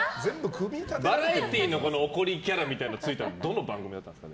バラエティーの怒りキャラみたいなのがついたのはどの番組だったんですか？